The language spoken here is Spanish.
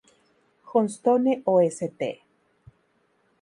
Johnstone" o "St.